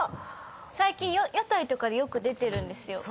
最近屋台とかでよく出てるんですよ。